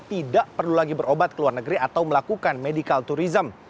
tidak perlu lagi berobat ke luar negeri atau melakukan medical tourism